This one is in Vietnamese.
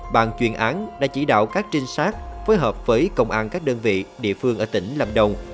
bàn chuyên án đã chỉ đạo các trinh sát phối hợp với công an các đơn vị địa phương ở tỉnh lâm đồng